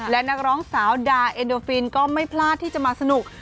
และนักร้องสาวดาเอ็นโดฟินก็ไม่พลาดที่จะมาสนุก